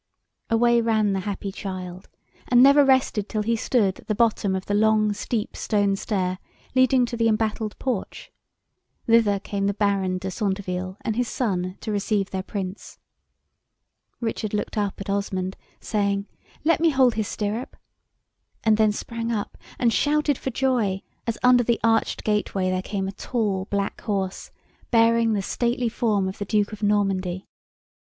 Away ran the happy child, and never rested till he stood at the bottom of the long, steep, stone stair, leading to the embattled porch. Thither came the Baron de Centeville, and his son, to receive their Prince. Richard looked up at Osmond, saying, "Let me hold his stirrup," and then sprang up and shouted for joy, as under the arched gateway there came a tall black horse, bearing the stately form of the Duke of Normandy.